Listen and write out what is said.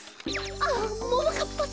ああももかっぱさま！